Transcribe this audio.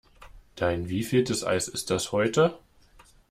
Dein wievieltes Eis ist das heute?